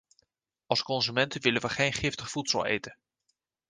Als consumenten willen we geen giftig voedsel eten.